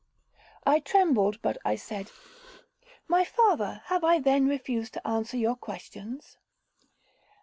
I trembled, but I said, 'My father, have I then refused to answer your questions?'